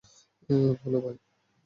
বলো, ভাই?